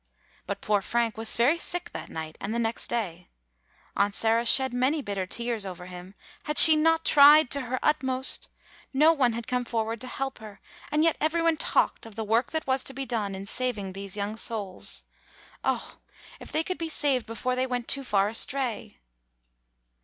But poor Frank was very sick that night and the next day. Aunt Sarah shed many bitter tears over him. Had she not tried to her ut most? No one had come forward to help her. And yet every one talked of the work that was to be done in saving these young souls. Oh ! 8 — An Easter Lily [ 113 ] AN EASTER LILY if they could be saved before they went too far astray